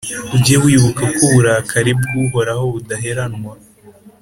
ujye wibuka ko uburakari bw’Uhoraho budaheranwa